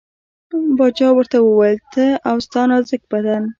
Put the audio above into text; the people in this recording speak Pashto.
باچا ورته وویل ته او ستا نازک بدن.